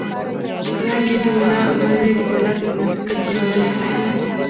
رنګ یې د ملا عمل یې د بلا د منافقت بدوالی ښيي